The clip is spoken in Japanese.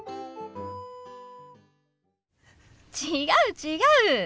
違う違う。